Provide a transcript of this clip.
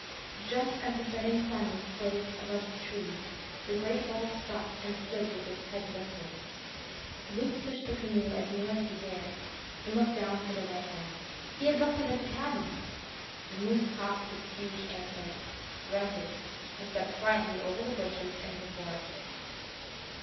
Just as the setting sun was poised above the trees, the great bull stopped and stood with head lifted. Luke pushed the canoe as near as he dared, and looked down for the rifle. He had left it at the cabin! The moose tossed his huge antlers, grunted, and stepped quietly over the bushes into the forest.